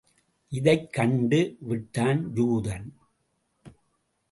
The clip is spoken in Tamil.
இதைக் கண்டுவிட்டான் யூதன்.